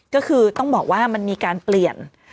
ก็คือต้องบอกว่ามันมีการเปลี่ยน